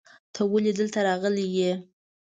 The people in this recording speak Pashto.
ته ولې دلته راغلی یې؟